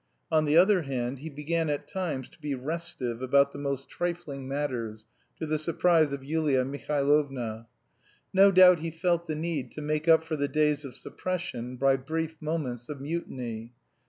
On the other hand, he began at times to be restive about "the most trifling matters," to the surprise of Yulia Mihailovna. No doubt he felt the need to make up for the days of suppression by brief moments of mutiny.